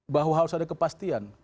bahwa harus ada kepastian